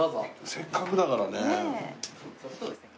せっかくだからね。